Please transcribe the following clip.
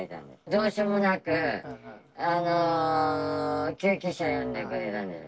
どうしようもなく救急車を呼んでくれたんです。